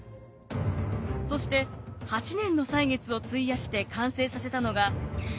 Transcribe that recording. そして８年の歳月を費やして完成させたのが一般相対性理論。